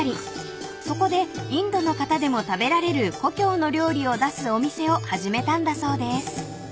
［そこでインドの方でも食べられる故郷の料理を出すお店を始めたんだそうです］